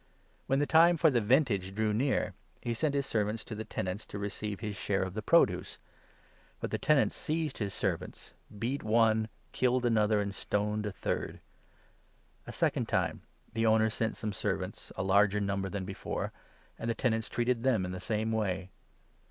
When 34 the time for the vintage drew near, he sent his servants to the tenants, to receive his share of the produce. But the tenants 35 seized his servants, beat one, killed another, and stoned a third. A second time the owner sent some servants, a larger 36 number than before, and the tenants treated them in the same way.